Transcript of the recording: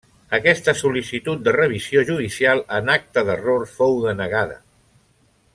Aquesta sol·licitud de revisió judicial, en acte d'error, fou denegada.